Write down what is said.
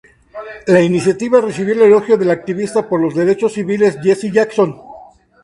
La iniciativa recibió el elogio del activista por los derechos civiles, Jesse Jackson.